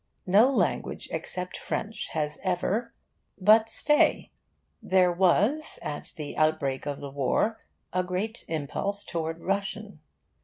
No language except French has ever but stay! There was, at the outbreak of the War, a great impulse towards Russian.